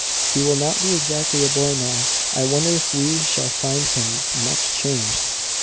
"He will not be exactly a boy now. I wonder if we shall find him much changed."